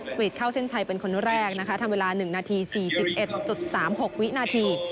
วิทเข้าเส้นชัยเป็นคนแรกนะคะทำเวลา๑นาที๔๑๓๖วินาที